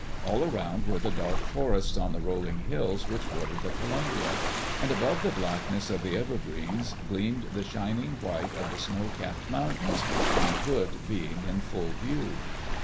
All around were the dark forests on the rolling hills which bordered the Columbia. And above the blackness of the evergreens gleamed the shining white of the snow capped mountains, Mount Hood being in full view.